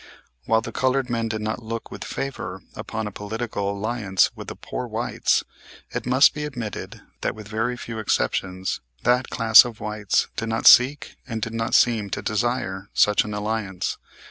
While the colored men did not look with favor upon a political alliance with the poor whites, it must be admitted that, with very few exceptions, that class of whites did not seek, and did not seem to desire such an alliance.